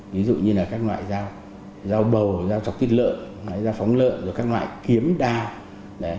ví dụ như là các loại dao bầu dao trọc tiết lợn dao phóng lợn các loại kiếm đao